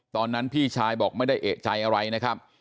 พี่ชายบอกไม่ได้เอกใจอะไรนะครับ